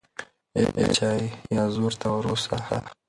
ای بچای، یازور ته روڅه